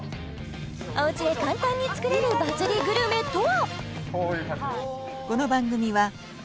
おうちで簡単に作れるバズりグルメとは！？